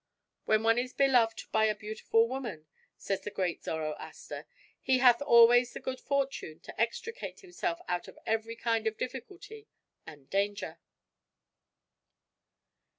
"When one is beloved by a beautiful woman," says the great Zoroaster, "he hath always the good fortune to extricate himself out of every kind of difficulty and danger."